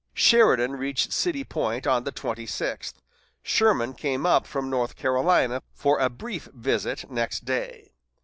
Sheridan reached City Point on the twenty sixth. Sherman came up from North Carolina for a brief visit next day.